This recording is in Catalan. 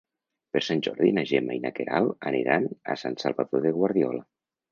Per Sant Jordi na Gemma i na Queralt aniran a Sant Salvador de Guardiola.